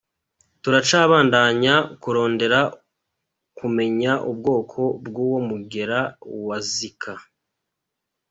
Turacabandanya kurondera kumenya ubwoko bw’uwo mugera wa Zika.